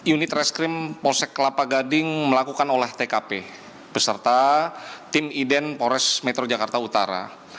unit reskrim polsek kelapa gading melakukan olah tkp beserta tim iden pores metro jakarta utara